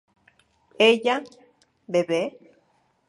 ¿ella bebe?